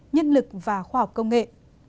nhân lực và khoa học công nghệ